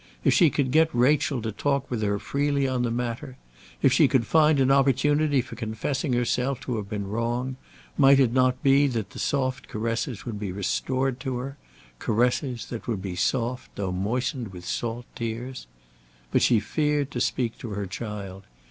If she could get Rachel to talk with her freely on the matter, if she could find an opportunity for confessing herself to have been wrong, might it not be that the soft caresses would be restored to her, caresses that would be soft, though moistened with salt tears? But she feared to speak to her child.